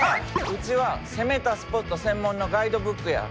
うちは攻めたスポット専門のガイドブックや。